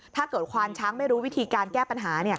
ถ้าเกิดควานช้างไม่รู้วิธีการแก้ปัญหา